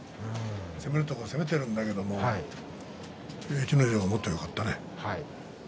攻めれるところを攻めているんだけれども逸ノ城がもっとよかったね。